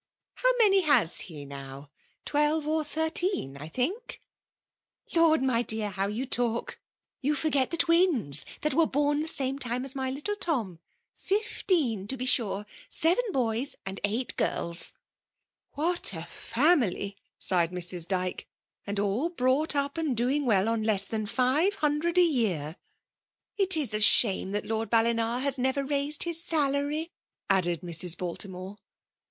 How many has he now? Twelve or thirteen, I think !^'" Lord, my dear, how you talk ! You forget 1^ FEMALE I>OI||NAn«>N. : Una twins^ that were born the same time as my little Tom ! Fiftetn, to be sure ! S^ven boys and eight girls T* •<' What a family/' sighed Mrs* Djke; " and • all brought up and doing well on less than five hundred a year.'' '' It is a shame that Lord Ballina has never raised his salary," added Mrs. Baltimore.